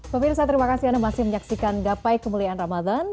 pemirsa terima kasih anda masih menyaksikan gapai kemuliaan ramadan